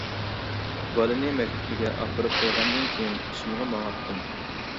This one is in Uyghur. بالىنى مەكتىپىگە ئاپىرىپ قويغاندىن كېيىن ئىشىمغا ماڭاتتىم.